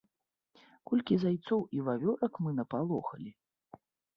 Колькі зайцоў і вавёрак мы напалохалі!